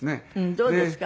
どうですか？